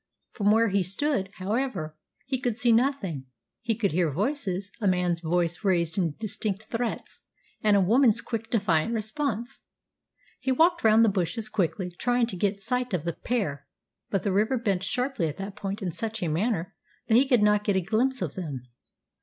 From where he stood, however, he could see nothing. He could hear voices a man's voice raised in distinct threats, and a woman's quick, defiant response. He walked round the bushes quickly, trying to get sight of the pair, but the river bent sharply at that point in such a manner that he could not get a glimpse of them.